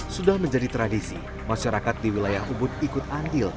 sudah menjadi tradisi masyarakat di wilayah ubud ikut andil